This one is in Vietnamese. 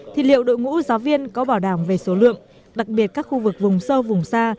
thì liệu đội ngũ giáo viên có bảo đảm về số lượng đặc biệt các khu vực vùng sâu vùng xa